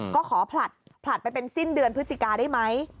ก็ขอผลัดผลัดไปเป็นสิ้นเดือนพฤศจิกาได้ไหม